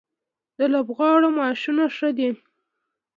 د لوبغاړو معاشونه ښه دي؟